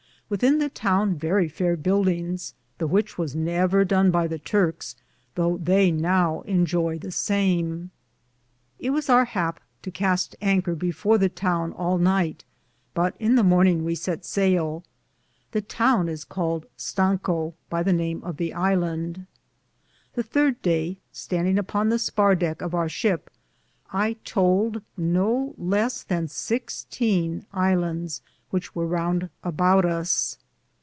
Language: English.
Within the towne verrie fayer buildinges, the which was never done by the Turkes, thoughe they now Inioye (enjoy) the same. It was our happ to caste Anker before the towne alnyghte, but in the morninge we sett sayle. The towne is called Lango (Stanco), by the name of the Ilande. The third daye, standinge upon the spar decke of our shipp, I tould no less than i6 Ilandes which weare Rounde about us.